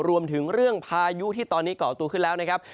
รวมถึงเรื่องพายุที่ตอนนี้ก่อตัวขึ้นแล้วนะครับ